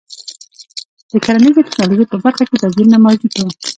د کرنیزې ټکنالوژۍ په برخه کې توپیرونه موجود وو.